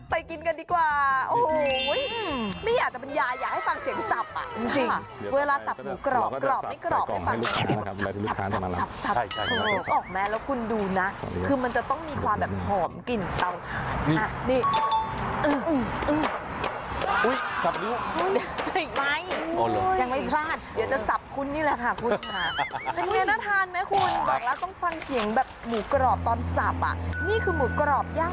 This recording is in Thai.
ไปกินกันดีกว่าโอ้โหไม่อยากจะเป็นยาให้ฟังเสียงสับอ่ะจริง